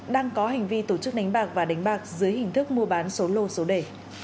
đang có hành vi tổ chức đánh bạc và đánh bạc dưới hình thức mua bán số lô số đề